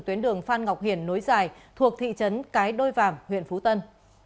tuyến đường phan ngọc hiển nối dài thuộc thị trấn cái đôi vàm huyện phú tân